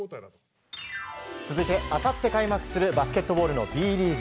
続いてあさって開幕するバスケットボールのＢリーグ。